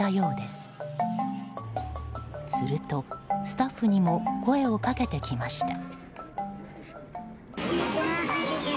すると、スタッフにも声をかけてきました。